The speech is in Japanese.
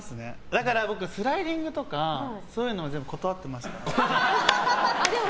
だから僕、スライディングとかそういうのは断ってました。